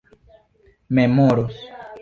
memoros